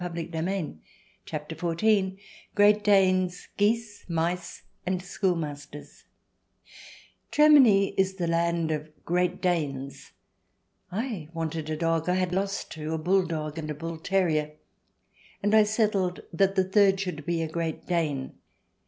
Alas, alas, for Hamelin 1 CHAPTER XIV GREAT DANES, GEESE, MICE, AND SCHOOLMASTERS Germany is the land of Great Danes. I wanted a dog. I had lost two — a bull dog and a bull terrier — and I settled that the third should be a Great Dane.